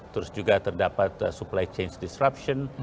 terus juga terdapat supply chain disruption